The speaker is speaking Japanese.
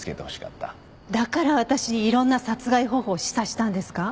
だから私にいろんな殺害方法を示唆したんですか？